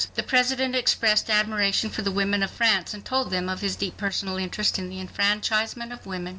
The President expressed admiration for the women of France, and told them of his deep personal interest in the enfranchisement of women.